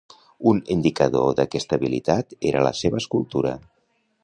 Un indicador d'aquesta habilitat era la seva escultura.